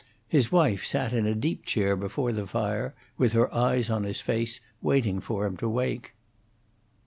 His wife sat in a deep chair before the fire, with her eyes on his face, waiting for him to wake.